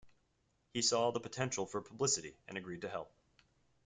He saw the potential for publicity and agreed to help.